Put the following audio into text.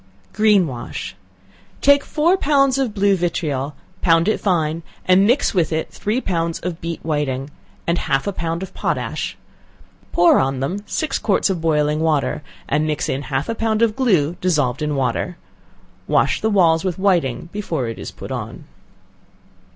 Green wash. Take four pounds of blue vitriol, pound it fine, and mix with it three pounds of beat whiting, and half a pound of potash; pour on them six quarts of boiling water, and mix in half a pound of glue dissolved in water. Wash the walls with whiting before it is put on.